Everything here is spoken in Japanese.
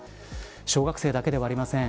小学生だけではありません。